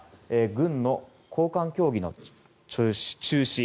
軍の高官協議の中止